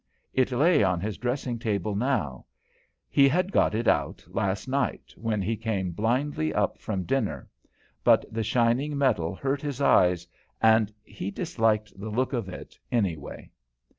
It lay on his dressing table now; he had got it out last night when he came blindly up from dinner, but the shiny metal hurt his eyes, and he disliked the look of it, anyway.